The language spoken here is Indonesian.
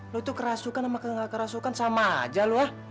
lu itu kerasukan sama gak kerasukan sama aja lu ha